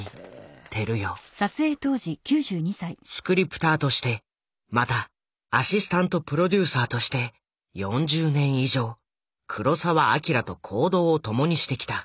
スクリプターとしてまたアシスタント・プロデューサーとして４０年以上黒澤明と行動を共にしてきた。